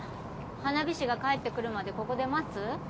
花火師が帰ってくるまでここで待つ？